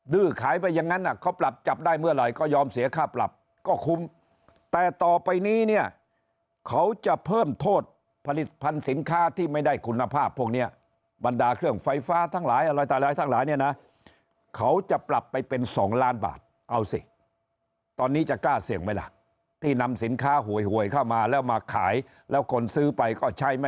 ื้อขายไปอย่างนั้นเขาปรับจับได้เมื่อไหร่ก็ยอมเสียค่าปรับก็คุ้มแต่ต่อไปนี้เนี่ยเขาจะเพิ่มโทษผลิตภัณฑ์สินค้าที่ไม่ได้คุณภาพพวกเนี้ยบรรดาเครื่องไฟฟ้าทั้งหลายอะไรต่อหลายทั้งหลายเนี่ยนะเขาจะปรับไปเป็น๒ล้านบาทเอาสิตอนนี้จะกล้าเสี่ยงไหมล่ะที่นำสินค้าหวยเข้ามาแล้วมาขายแล้วคนซื้อไปก็ใช้